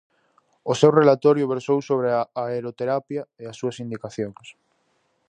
O seu relatorio versou sobre a aeroterapia e as súas indicacións.